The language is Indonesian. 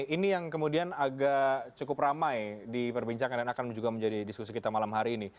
ini yang kemudian agak cukup ramai di perbincangkan dan akan juga menjadi diskusi kita malam hari ini